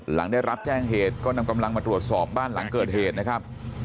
หลังได้รับแจ้งเหตุก็นำกำลังมาตรวจสอบบ้านหลังเกิดเหตุนะครับ